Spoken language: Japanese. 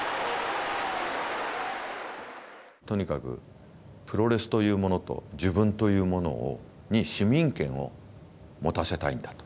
とにかくプロレスというものと自分というものに市民権を持たせたいんだと。